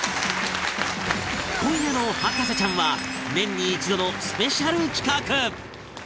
今夜の『博士ちゃん』は年に一度のスペシャル企画